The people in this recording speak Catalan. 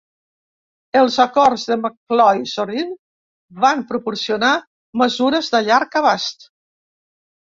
Els acords de McCloy-Zorin van proporcionar mesures de llarg abast.